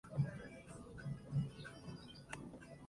Este acto subrayaba el declive en la importancia de esa ciudad.